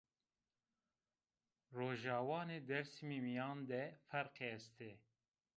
Rojawanê Dêrsimî mîyan de ferqî estê